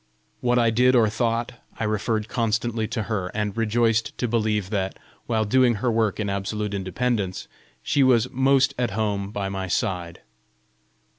What I did or thought, I referred constantly to her, and rejoiced to believe that, while doing her work in absolute independence, she was most at home by my side.